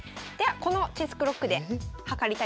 ではこのチェスクロックでえ